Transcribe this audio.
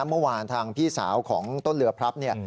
เมื่อวานทางพี่สาวของต้นเรือพลับเนี่ย